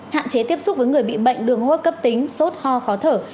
hạn chế tiếp xúc với người bị bệnh đường hô hấp cấp tính sốt ho khó thở